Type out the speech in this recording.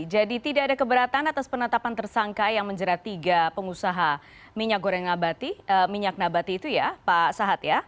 jadi tidak ada keberatan atas penetapan tersangka yang menjerat tiga pengusaha minyak goreng nabati minyak nabati itu ya pak sahat ya